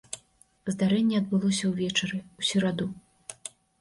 Здарэнне адбылося ўвечары ў сераду.